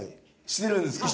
してるんですか？